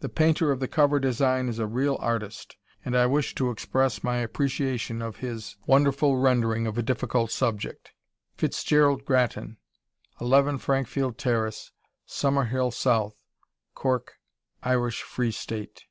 The painter of the cover design is a real artist and I wish to express my appreciation of his wonderful rendering of a difficult subject. Fitz Gerald Grattan, 11 Frankfield Terrace, Summerhill South, Cork, Irish Free State.